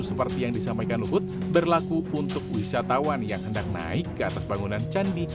seperti yang disampaikan luhut berlaku untuk wisatawan yang hendak naik ke atas bangunan candi